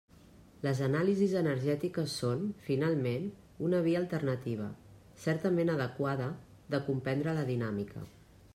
Les anàlisis energètiques són, finalment, una via alternativa, certament adequada, de comprendre la Dinàmica.